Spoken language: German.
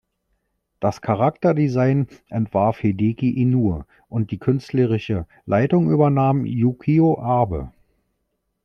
Das Charakterdesign entwarf Hideki Inoue und die künstlerische Leitung übernahm Yukio Abe.